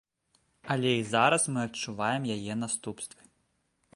Але і зараз мы адчуваем яе наступствы.